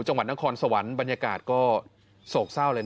จังหวัดนครสวรรค์บรรยากาศก็โศกเศร้าเลย